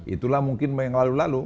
itulah mungkin yang lalu lalu